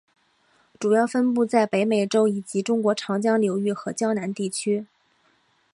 主要分布在北美洲以及中国长江流域和江南地区。